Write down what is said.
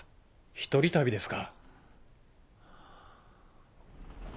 一人旅ですか。